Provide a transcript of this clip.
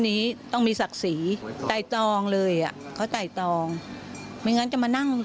เดินมาพอขนมมาส่งเราออกมาเค้าก็เดินมาไง